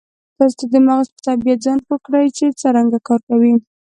ترڅو د مغز په طبیعت ځان پوه کړي چې څرنګه کار کوي.